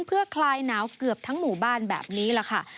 เพื่อคลายหนาวเกือบทั้งหมู่บ้านแบบนี้แหละค่ะ